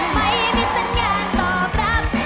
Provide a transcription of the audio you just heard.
ไม่มีสัญญาณตอบรับ